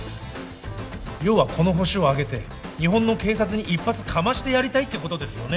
要はこのホシをあげて日本の警察に一発カマしてやりたいってことですよね